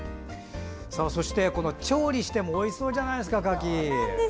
そして調理してもおいしそうじゃないですか柿。